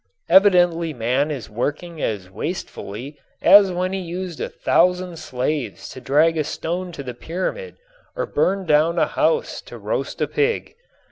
Evidently man is working as wastefully as when he used a thousand slaves to drag a stone to the pyramid or burned down a house to roast a pig.